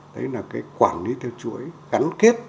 đấy là cái quản lý theo chuỗi gắn kết